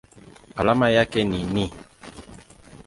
Alama yake ni Ni.